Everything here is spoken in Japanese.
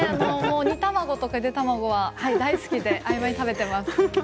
煮卵とかゆで卵は大好きで合間に食べています。